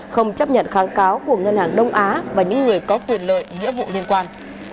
không chấp nhận kháng cáo của ngân hàng đông á và những người có quyền lợi nghĩa vụ liên quan